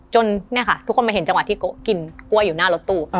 เนี่ยค่ะทุกคนมาเห็นจังหวะที่กินกล้วยอยู่หน้ารถตู้